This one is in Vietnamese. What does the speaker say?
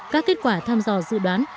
các kết quả tham dò dự đoán